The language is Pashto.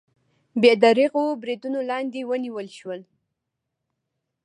بې درېغو بریدونو لاندې ونیول شول